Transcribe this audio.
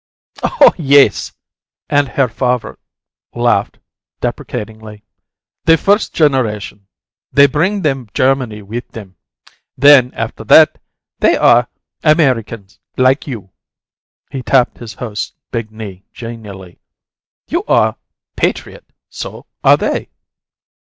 "Oh yes." And Herr Favre laughed deprecatingly. "The first generation, they bring their Germany with them; then, after that, they are Americans, like you." He tapped his host's big knee genially. "You are patriot; so are they."